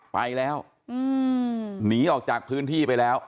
ไปแล้วหนีออกจากพื้นที่ไปแล้ว